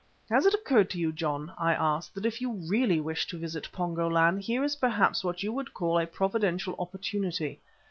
"Has it occurred to you, John," I asked, "that if you really wish to visit Pongo land here is perhaps what you would call a providential opportunity.